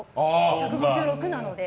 １５６なので。